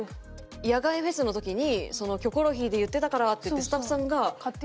野外フェスの時に『キョコロヒー』で言ってたからって言ってスタッフさんが買ってきてくださって。